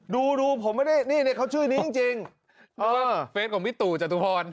ดูดูผมไม่ได้นี่นี่เขาชื่อนี้จริงจริงเออเฟซของพี่ตู่จตุพร